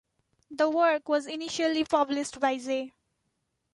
The work was initially published by J.